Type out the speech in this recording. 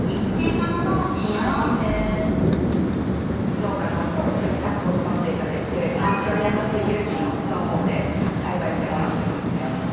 農家さんと一緒にタッグを組ませてもらって環境に優しい有機の農法で栽培してもらってますね。